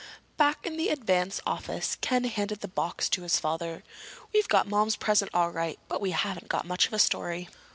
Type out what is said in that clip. Back in the Advance office Ken handed the box to his father. "We've got Mom's present all right, but we haven't got much of a story."